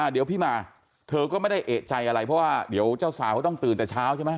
เดี๋ยวพี่มาเธอก็ไม่ได้เอกใจอะไรเพราะว่าเดี๋ยวเจ้าสาวเขาต้องตื่นแต่เช้าใช่ไหม